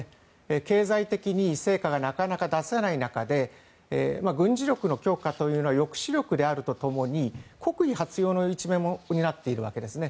経済的に成果がなかなか出せない中で軍事力の強化というのは抑止力であるとともに国威発揚の一面も担っているわけです。